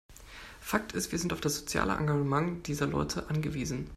Fakt ist, wir sind auf das soziale Engagement dieser Leute angewiesen.